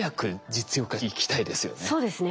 そうですね。